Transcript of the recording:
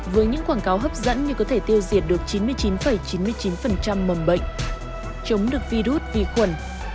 với những quảng cáo hấp dẫn như có thể tiêu diệt được chín mươi chín chín mươi chín mầm bệnh chống được virus vi khuẩn